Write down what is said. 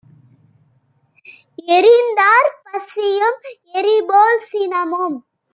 எறிந்தார். பசியும், எரிபோல் சினமும்